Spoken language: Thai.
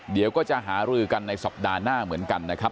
เดี๋ยวก็จะหารือกันในสัปดาห์หน้าเหมือนกันนะครับ